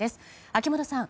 秋本さん